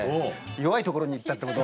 弱いところに行ったってこと？